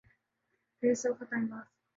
پھر سب خطائیں معاف۔